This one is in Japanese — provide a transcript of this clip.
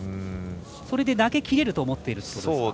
それで投げきれると思っているってことですか。